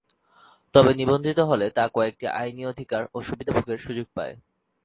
তবে নিবন্ধিত হলে তা কয়েকটি আইনি অধিকার ও সুবিধা ভোগের সুযোগ পায়।